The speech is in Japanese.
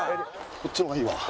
こっちの方がいいわ。